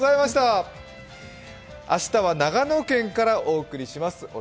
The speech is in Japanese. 明日は長野県からお送りします。